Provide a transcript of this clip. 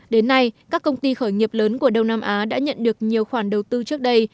đến nay các công ty khởi nghiệp lớn của đông nam á đã nhận được nhiều khoản đầu tư trước đây